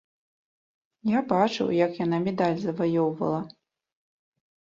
Я бачыў, як яна медаль заваёўвала.